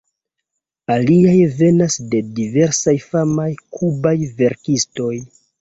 Aliaj venas de diversaj famaj kubaj verkistoj.